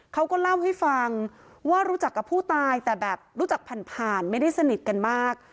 เขาก็เล่าให้ฟังว่ารู้จักกับผู้ตายแต่แบบรู้จักผ่านผ่านไม่ได้สนิทกันมาก